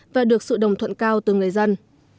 và được sự đồng thuận cao từ người dân